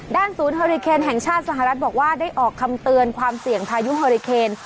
ศูนย์เฮอริเคนแห่งชาติสหรัฐบอกว่าได้ออกคำเตือนความเสี่ยงพายุฮอริเคน